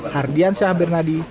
hardian syahabir nadi